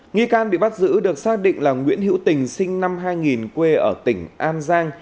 nghi can bị bắt giữ được xác định là nguyễn hữu tình sinh năm hai nghìn quê ở tỉnh an giang